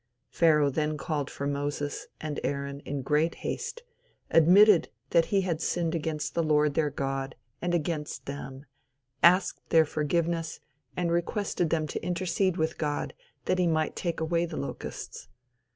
Pharaoh then called for Moses and Aaron in great haste, admitted that he had sinned against the Lord their God and against them, asked their forgiveness and requested them to intercede with God that he might take away the locusts.